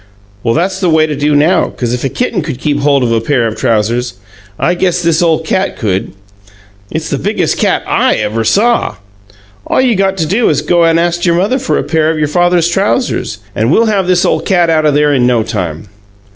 Well, that's the way to do now, 'cause if a kitten could keep hold of a pair of trousers, I guess this ole cat could. It's the biggest cat I ever saw! All you got to do is to go and ast your mother for a pair of your father's trousers, and we'll have this ole cat out o' there in no time."